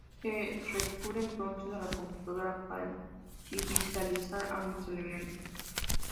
Se recurre entonces a la computadora para digitalizar ambos elementos.